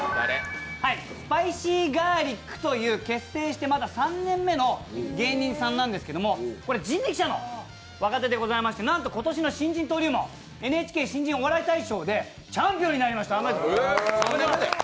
スパイシーガーリックという結成してまだ３年目の芸人さんなんですけどこれ人力舎の若手でございましてなんと今年の新人登竜門、「ＮＨＫ新人お笑い大賞」でチャンピオンになりました。